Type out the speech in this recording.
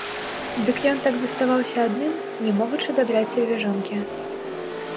Дык ён так заставаўся адным, не могучы дабраць сабе жонкі.